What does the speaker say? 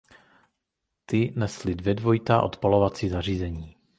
Ty nesly dvě dvojitá odpalovací zařízení.